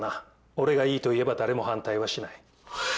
俺がいいと言えば誰も反対はしない